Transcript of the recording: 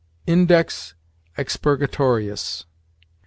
INDEX EXPURGATORIUS.